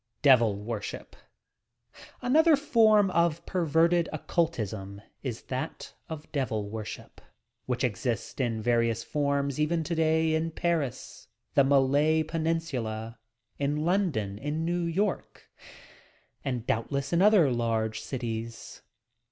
DEVIL WORSHIP Another form of perverted occultism ia that of "Devil Worship," which exists in various forms even today in Paris, the Malay Penimiiila, in London, in New York and doubtless in other large cities.